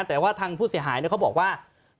แต่ว่าทางผู้เสียหายเขาบอกว่า